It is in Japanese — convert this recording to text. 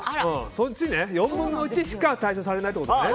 そっちね、４分の１しか代謝されないということね。